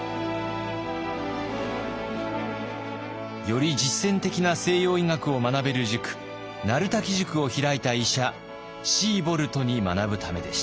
より実践的な西洋医学を学べる塾鳴滝塾を開いた医者シーボルトに学ぶためでした。